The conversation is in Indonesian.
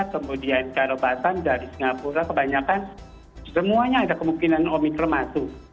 kemudian karobasan dari singapura kebanyakan semuanya ada kemungkinan omikron masuk